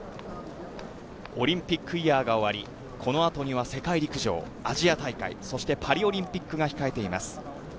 オリンピックイヤーが終わり、このあとには世界陸上、アジア大会そしてパリオリンピックが控えています。